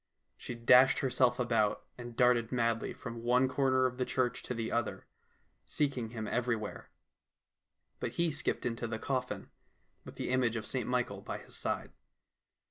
She dashed herself about, and darted madly from one corner of the church to the other, seeking him everywhere. But he skipped into the coffin, with the image of St Michael by his side.